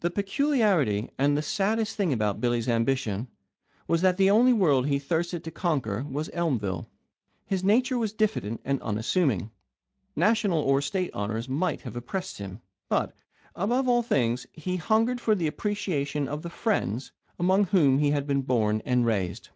The peculiarity and the saddest thing about Billy's ambition was that the only world he thirsted to conquer was Elmville. His nature was diffident and unassuming. National or State honours might have oppressed him. But, above all things, he hungered for the appreciation of the friends among whom he had been born and raised.